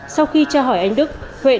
sau khi tra hỏi anh đức huệ nói